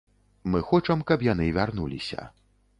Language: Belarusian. Мы хочам, каб яны вярнуліся.